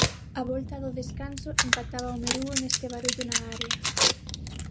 Á volta do descanso empataba Omerúo neste barullo na área.